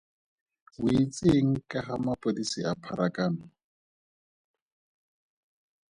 O itse eng ka ga mapodisi a pharakano?